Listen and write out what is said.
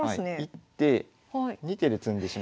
１手２手で詰んでしまうので。